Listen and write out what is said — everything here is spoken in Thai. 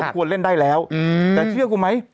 ควรเล่นได้แล้วแต่เชื่อกูไหม